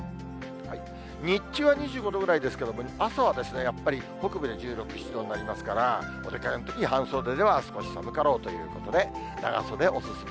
日中は２５度ぐらいですけれども、朝はやっぱり、北部で１６、７度になりますから、お出かけのときに半袖では少し寒かろうということで、長袖、お勧め。